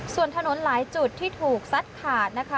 ส่วนถนนหลายจุดที่ถูกซัดขาดนะคะ